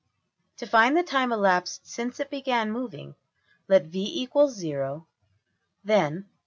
To find the time elapsed since it began moving, let $v = 0$; then $0.